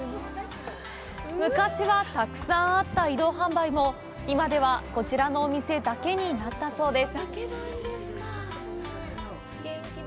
昔はたくさんあった移動販売も、今ではこちらのお店だけになったそうです。